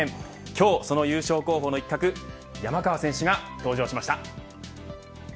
今日、優勝候補の一角山川選手が登場しました。